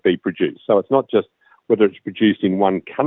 apakah diproduksi di satu negara atau lainnya